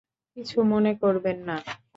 কিছু মনে করবেননা।